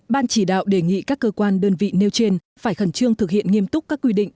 ban chỉ đạo đề nghị các cơ quan đơn vị nêu trên phải khẩn trương thực hiện nghiêm túc các quy định